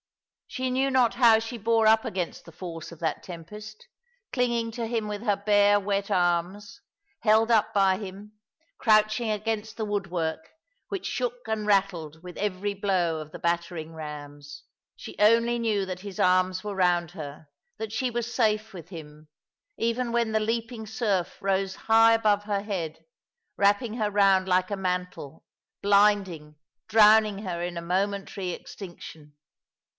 She knew not how she bore up against the force of that tempest ; clinging to him with her bare, wet arms ; held up by him ; crouching against the woodwork, which shook and rattled with every blow of the battering rams. She only knew that his arms were round her, that she 'was safe with him, even when the leaping surf rose high above her head, wrapping her round like a mantle, blinding, drowning her in a momentary extinction.